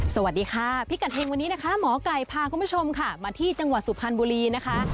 สวัสดีค่ะพิกัดเฮงวันนี้นะคะหมอไก่พาคุณผู้ชมค่ะมาที่จังหวัดสุพรรณบุรีนะคะ